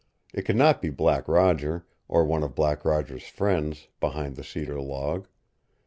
It could not be Black Roger, or one of Black Roger's friends, behind the cedar log.